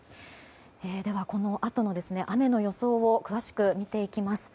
では、このあとの雨の予想を詳しく見ていきます。